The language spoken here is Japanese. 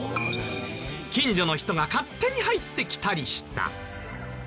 近所の人が勝手に入ってきたりした。